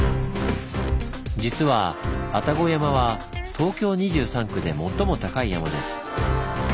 実は愛宕山は東京２３区で最も高い山です。